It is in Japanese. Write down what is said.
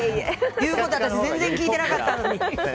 言うこと全然聞いてなかったのに。